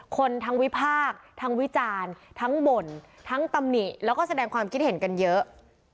คนทั้งวิพากษ์ทั้งวิจารณ์ทั้งบ่นทั้งตำหนิแล้วก็แสดงความคิดเห็นกันเยอะ